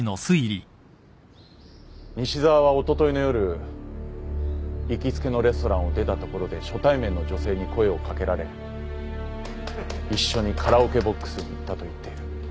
西沢はおとといの夜行きつけのレストランを出たところで初対面の女性に声を掛けられ一緒にカラオケボックスに行ったと言っている。